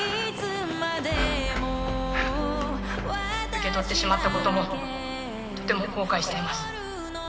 「受け取ってしまった事もとても後悔しています」